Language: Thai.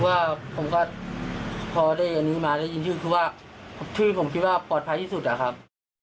ว่าผมก็พอได้อันนี้มาได้ยินชื่อคือว่าชื่อผมคิดว่าปลอดภัยที่สุดอะครับ